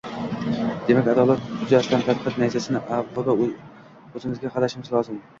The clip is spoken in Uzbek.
Demak, adolat yuzasidan tanqid nayzasini, avvalo, o‘zimizga qaratishimiz lozim